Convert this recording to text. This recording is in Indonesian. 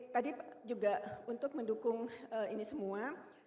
tadi juga untuk mendukung ini semua